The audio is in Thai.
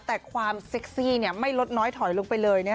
แต่ความเซ็กซี่ไม่ลดน้อยถอยลงไปเลย